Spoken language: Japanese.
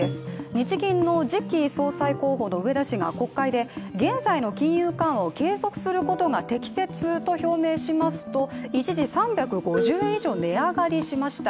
日銀の次期総裁候補の植田氏が国会で現在の金融緩和を継続することが適切と表明しますと一時３５０円以上、値上がりしました。